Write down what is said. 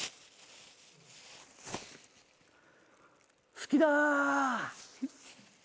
好きだ！